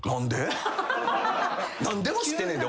何でも知ってんねんで